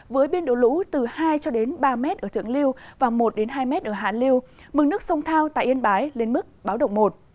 với biên độ lũ từ hai ba m ở thượng liêu và một hai m ở hạ liêu mừng nước sông thao tại yên bái lên mức báo động một